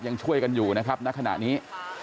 ยังช่วยกันอยู่นะครับณขณะนี้